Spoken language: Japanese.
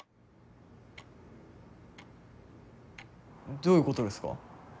どういうことですか？